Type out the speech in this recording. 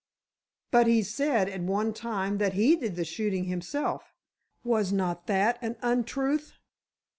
"But he said, at one time, that he did the shooting himself. Was not that an untruth?"